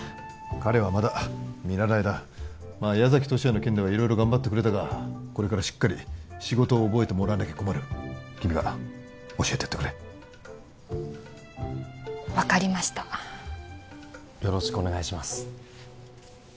彼はまだ見習いだまあ矢崎十志也の件では色々頑張ってくれたがこれからしっかり仕事を覚えてもらわなきゃ困る君が教えてやってくれ分かりましたよろしくお願いします